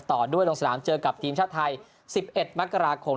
ต่อด้วยลงสนามเจอกับทีมชาติไทย๑๑มกราคม